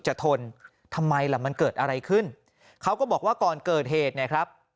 ทนทำไมล่ะมันเกิดอะไรขึ้นเขาก็บอกว่าก่อนเกิดเหตุเนี่ยครับ